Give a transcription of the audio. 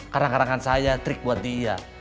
karena karangan saya trik buat dia